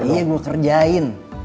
iya gue kerjain